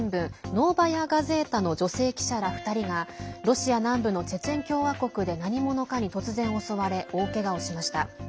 ノーバヤ・ガゼータの女性記者ら２人がロシア南部のチェチェン共和国で何者かに突然襲われ大けがをしました。